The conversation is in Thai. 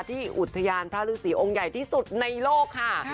ที่อุทยานพระฤษีองค์ใหญ่ที่สุดในโลกค่ะ